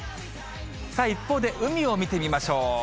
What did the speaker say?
一方で、海を見てみましょう。